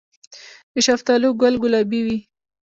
د شفتالو ګل ګلابي وي؟